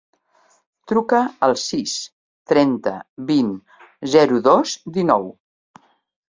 Truca al sis, trenta, vint, zero, dos, dinou.